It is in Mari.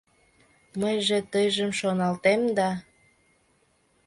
Мыйже тыйжым шоналтем да